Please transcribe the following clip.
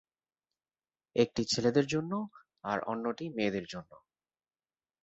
একটি ছেলেদের জন্য আর অন্যটি মেয়েদের জন্য।